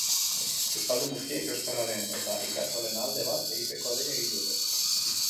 Euskaldun guztiek euskararen eta ikastolen alde bat egiteko deia egin dute.